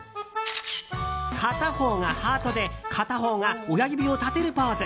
片方がハートで片方が親指を立てるポーズ。